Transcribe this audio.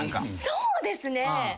そうですね。